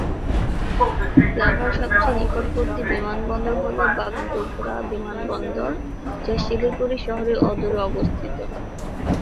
লাভার সবচেয়ে নিকটবর্তী বিমানবন্দর হলো বাগডোগরা বিমানবন্দর, যা শিলিগুড়ি শহরের অদূরে অবস্থিত।